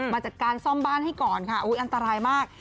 จัดการซ่อมบ้านให้ก่อนค่ะอันตรายมาก